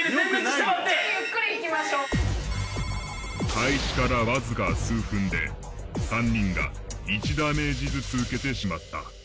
開始からわずか数分で３人が１ダメージずつ受けてしまった。